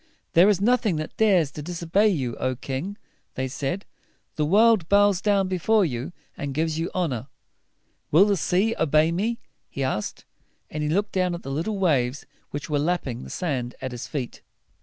"There is nothing that dares to dis o bey you, O king!" they said. "The world bows before you, and gives you honor." "Will the sea obey me?" he asked; and he looked down at the little waves which were lapping the sand at his feet.